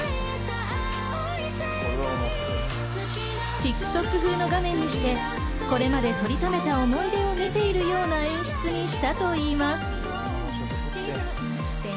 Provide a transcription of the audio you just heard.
ＴｉｋＴｏｋ風の画面にしてこれまで撮りためた思い出を見ているような演出にしたといいます。